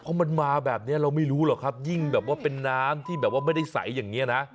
เพราะมันมาแบบนี้เราไม่รู้หรอกครับยิ่งแบบว่าเป็นน้ำที่แบบว่าไม่ได้ใสอย่างนี้นะ